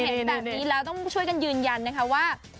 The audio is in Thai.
เห็นแบบนี้แล้วต้องช่วยกันยืนยันนะคะว่า